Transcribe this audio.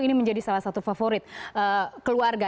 ini menjadi salah satu favorit keluarga